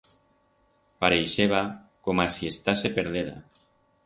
Pareixeba coma si estase perdeda.